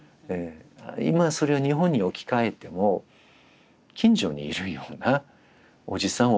今それを日本に置き換えても近所にいるようなおじさん